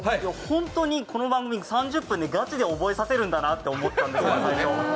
本当にこの番組３０分でガチで覚えさせるんだなって思ったんですけど。